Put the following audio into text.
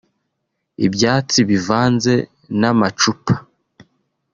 ibyatsi bivanze n’amacupa